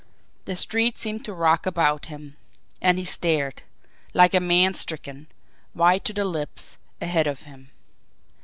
The street seemed to rock about him and he stared, like a man stricken, white to the lips, ahead of him.